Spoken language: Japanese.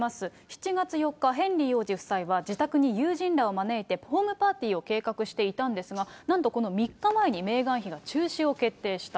７月４日、ヘンリー王子夫妻は自宅に友人らを招いてホームパーティーを計画していたんですが、なんとこの３日前にメーガン妃が中止を決定した。